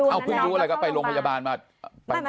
เพิ่งรู้อะไรก็ไปโรงพยาบาลมา